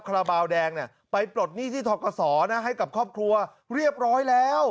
คาราบาลแดงไปปลดหนี้ที่ทกศให้กับครอบครัวเรียบร้อยแล้ว